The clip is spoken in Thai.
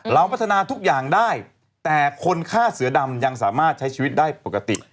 พัฒนาทุกอย่างได้แต่คนฆ่าเสือดำยังสามารถใช้ชีวิตได้ปกติ